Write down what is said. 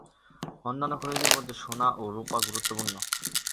অন্যান্য খনিজের মধ্যে সোনা ও রূপা গুরুত্বপূর্ণ।